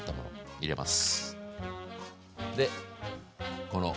入れます。